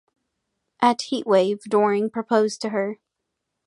At Heat Wave, Doring proposed to her.